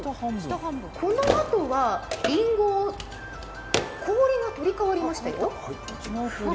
このあとは、氷が取り替わりましたよ。